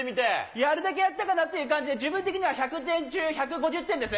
やるだけやったかなという感じで、自分的には１００点中１５０点です。